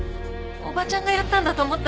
おばちゃんがやったんだと思った。